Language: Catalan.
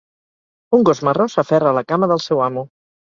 Un gos marró s'aferra a la cama del seu amo.